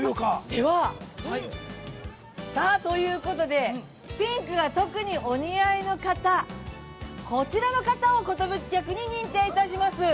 では、さあ、ということで、ピンクが特にお似合いの方、こちらの方を、寿客に認定いたします。